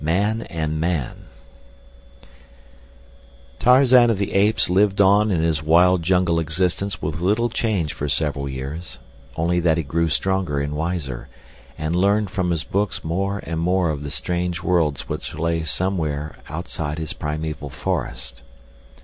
Man and Man Tarzan of the Apes lived on in his wild, jungle existence with little change for several years, only that he grew stronger and wiser, and learned from his books more and more of the strange worlds which lay somewhere outside his primeval forest.